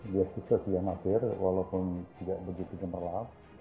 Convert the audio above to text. dia pilih ke siang amatir walaupun tidak begitu gemerlap